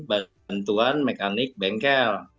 untuk bantuan mekanik bengkel